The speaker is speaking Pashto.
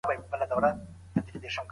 بزګران د خپلو محصولاتو لپاره بازار غواړي.